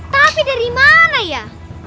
tapi dari mana ya